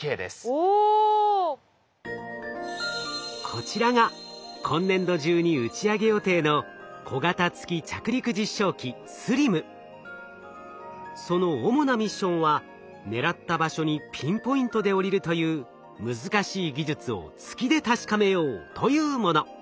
こちらが今年度中に打ち上げ予定のその主なミッションは狙った場所にピンポイントで降りるという難しい技術を月で確かめようというもの。